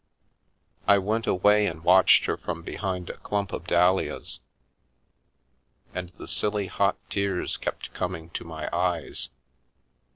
I went away and watched her from behind a clump of dahlias, and the silly hot tears kept coming to my eyes.